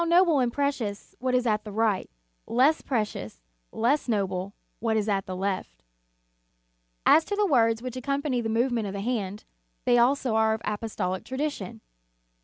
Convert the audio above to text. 136. 27* 318 The Sign of Mie Cross noble and precious what is at the right, less precious, less noble what is at the left."* As to the words which accompany the move ment of the hand, they, also, are of apostolic tradition.